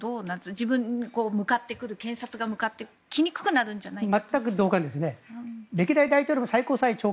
自分に検察が向かってきにくくなるんじゃないか。